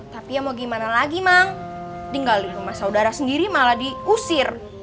tapi ya mau gimana lagi mang tinggal di rumah saudara sendiri malah diusir